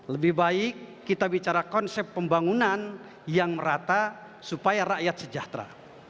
lebih baik kita bicara konsep pembangunan yang merata supaya rakyat sejahtera